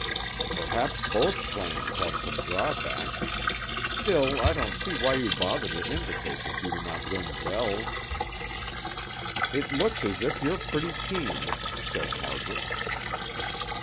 "Perhaps both plans have some drawbacks. Still I don't see why you bother to indicate that you do not ring bells." "It looks as if you're pretty keen," said Margaret.